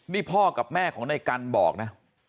นี่พ่อกับแม่ของในกันบอกนะ